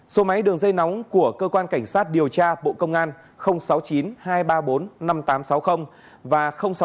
số máy đường dây nóng của cơ quan cảnh sát điều tra bộ công an sáu mươi chín hai trăm ba mươi bốn năm nghìn tám trăm sáu mươi và sáu mươi chín hai trăm ba mươi một một nghìn sáu trăm